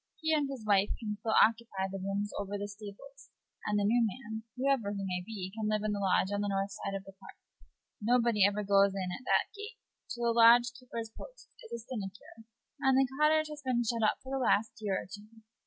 He and his wife can Page 71 still occupy the rooms over the stables, and the new man, whoever he may be, can live in the lodge on the north side of the Park. Nobody ever goes in at that gate, so the lodge keeper's post is a sinecure, and the cottage has been shut up for the last year or two.